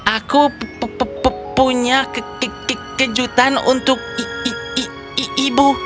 aku punya kejutan untuk ibu